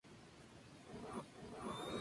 Se trata de un caso especial de señal de maniobra.